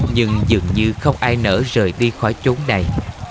nhưng dường như không ai nỡ rời đi khỏi chỗ này